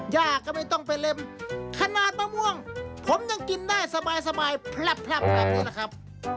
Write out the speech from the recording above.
ย่าก็ไม่ต้องไปเล่มขนาดมะม่วงผมยังกินได้สบายพลับแบบนี้แหละครับ